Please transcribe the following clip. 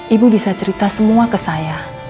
ibu bisa cerita semua ke saya